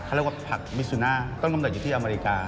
เขาเรียกว่าผักมิสุน่าต้นกำเนิดอยู่ที่อเมริกา